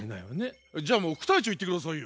じゃあもう副隊長行って下さいよ。